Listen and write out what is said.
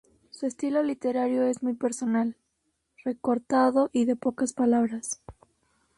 Su estilo literario es muy personal, recortado y de pocas palabras.